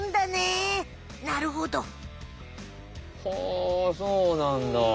ほうそうなんだ。